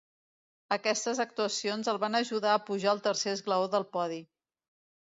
Aquestes actuacions el van ajudar a pujar al tercer esglaó del podi.